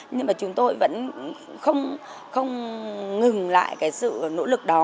nhưng mà chúng tôi vẫn không ngừng lại cái sự nỗ lực đó